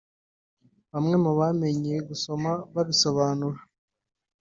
bamwe mu bamenye gusoma babisobanura